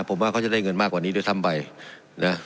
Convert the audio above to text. ผมว่าเขาจะได้เงินมากกว่านี้ด้วยซ้ำไปนะ